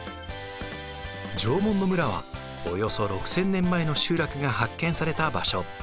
縄文の村はおよそ６，０００年前の集落が発見された場所。